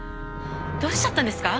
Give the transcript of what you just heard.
どうしちゃったんですか？